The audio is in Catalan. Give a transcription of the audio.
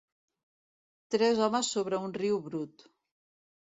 Tres homes sobre un riu brut.